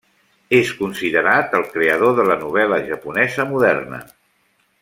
És considerat el creador de novel·la japonesa moderna.